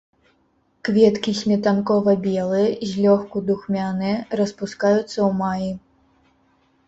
Кветкі сметанкова-белыя, злёгку духмяныя, распускаюцца ў маі.